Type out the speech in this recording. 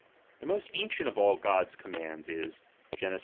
The most ancient of all God's com ^H mands is, (Gen. ii.